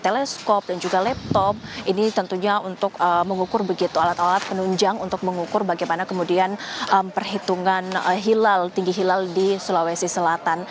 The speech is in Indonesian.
teleskop dan juga laptop ini tentunya untuk mengukur begitu alat alat penunjang untuk mengukur bagaimana kemudian perhitungan hilal tinggi hilal di sulawesi selatan